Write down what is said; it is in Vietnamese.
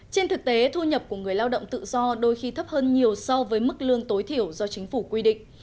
trên thực tế thu nhập của người lao động tự do đôi khi thấp hơn nhiều so với mức lương tối thiểu do chính phủ quy định